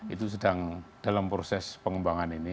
itu sedang dalam proses pengembangan ini